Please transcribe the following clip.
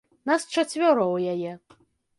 Нас чацвёра ў яе.